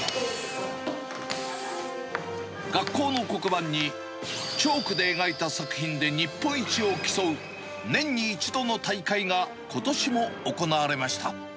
学校の黒板にチョークで描いた作品で日本一を競う、年に一度の大会が、ことしも行われました。